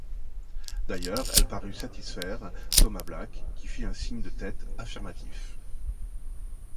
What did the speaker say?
D’ailleurs, elle parut satisfaire Thomas Black, qui fit un signe de tête affirmatif.